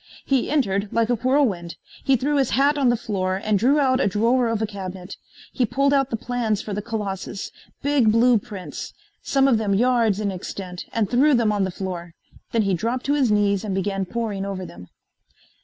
He entered like a whirlwind. He threw his hat on the floor and drew out a drawer of a cabinet. He pulled out the plans for the Colossus, big blue prints, some of them yards in extent, and threw them on the floor. Then he dropped to his knees and began poring over them.